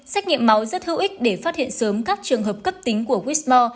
xét nghiệm máu rất hữu ích để phát hiện sớm các trường hợp cấp tính của quýt mò